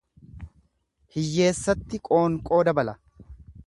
Hiyyeessatti qoonqoo dabala.